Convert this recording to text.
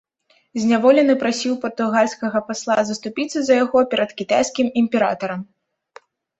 Зняволены прасіў партугальскага пасла заступіцца за яго перад кітайскім імператарам.